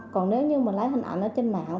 còn nếu như mình lấy hình ảnh ở trên mạng